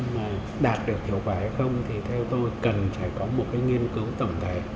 mà đạt được hiệu quả hay không thì theo tôi cần phải có một cái nghiên cứu tổng thể